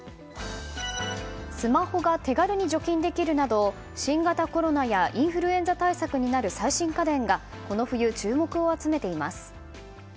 スマホが手軽に除菌できるなど新型コロナやインフルエンザ対策になる最新家電がこの冬、注目を集めています。